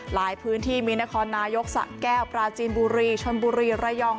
หลายพื้นที่มีนครนายกสะแก้วปราจีนบุรีชนบุรีระยอง